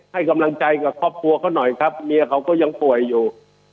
ให้กำลังใจกับครอบครัวเขาหน่อยครับเมียเขาก็ยังป่วยอยู่